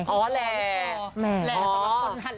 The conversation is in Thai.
แหล่แหล่อ๋อแหล่มาครับ